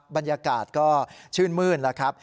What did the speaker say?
บรรยากาศก็ชื่นมื้นแล้วครับ